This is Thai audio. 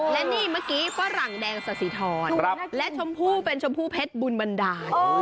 และนี่เมื่อกี้ฝรั่งแดงสสิทรและชมพู่เป็นชมพู่เพชรบุญบันดาล